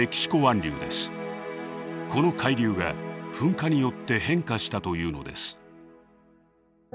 この海流が噴火によって変化したというのです。